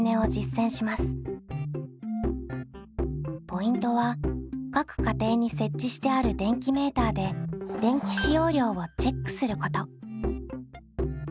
ポイントは各家庭に設置してある電気メーターで電気使用量をチェックすること。